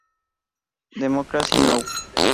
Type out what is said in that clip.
Democracy Now!